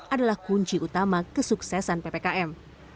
adalah kunci utama kesuksesan ppkm